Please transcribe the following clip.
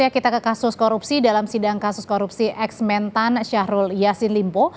kita ke kasus korupsi dalam sidang kasus korupsi eks mentan syahrul yassin limpo